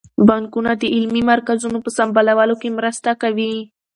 بانکونه د علمي مرکزونو په سمبالولو کې مرسته کوي.